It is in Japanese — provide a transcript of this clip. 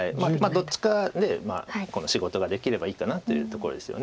どっちかで仕事ができればいいかなというところですよね。